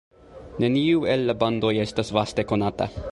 Neniu el la bandoj estas vaste konata.